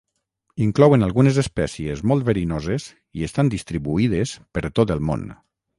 Inclouen algunes espècies molt verinoses i estan distribuïdes per tot el món.